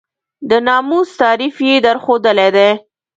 د ناموس تعریف یې درښودلی دی.